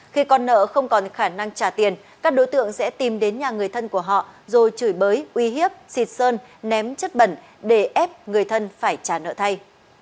khi con nợ không còn khả năng trả tiền các đối tượng sẽ tìm đến nhà người thân của họ rồi chửi bới uy hiếp xịt sơn ném chất bẩn để ép người thân phải trả nợ thay